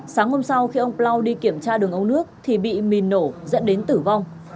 sáng hôm sau khi ông plau đi kiểm tra đường ống nước thì bị mìn nổ dẫn đến tử vong